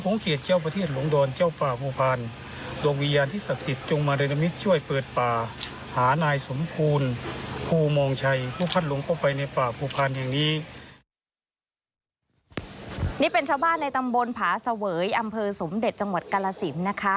นี่เป็นชาวบ้านในตำบลผาเสวยอำเภอสมเด็จจังหวัดกาลสินนะคะ